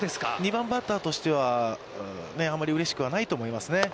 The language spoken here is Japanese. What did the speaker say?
２番バッターとしてはあまりうれしくはないと思いますね。